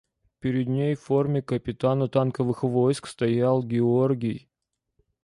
Перед ней в форме капитана танковых войск стоял Георгий.